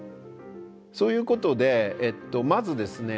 そういうことでまずですね